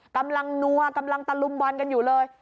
กำลังนัวกำลังตะลุมบอลกันอยู่เลย